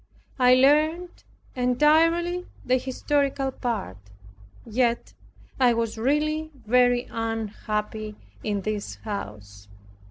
I learned entirely the historical part. Yet I was really very unhappy in this house.